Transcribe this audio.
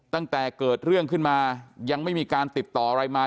ตั้งแต่เกิดเรื่องขึ้นมายังไม่มีการติดต่ออะไรมา